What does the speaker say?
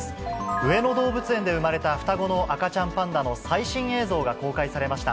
上野動物園で生まれた双子の赤ちゃんパンダの最新映像が公開されました。